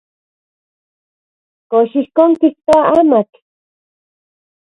¿Kox ijkon kijtoa amatl?